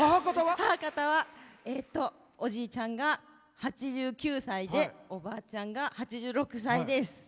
母方はおじいちゃんが８９歳でおばあちゃんが８６歳です。